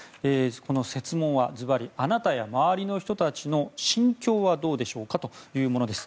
この設問は、ずばりあなたや周りの人たちの心境はどうでしょうか？というものです。